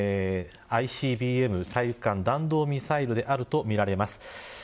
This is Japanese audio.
大陸間弾道ミサイルであるとみられます。